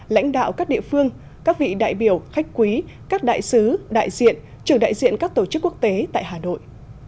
lãnh đạo các địa phương các vị đại biểu khách quý các đại sứ đại diện trưởng đại diện các tổ chức quốc tế tại hà nội